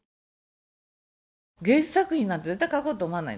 芸術作品なんて絶対書こうと思わない。